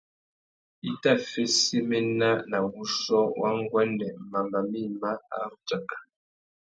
I tà fesséména nà wuchiô wa nguêndê mamba mïma a ru tsaka.